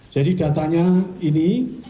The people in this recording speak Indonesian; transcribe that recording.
jadi datanya ini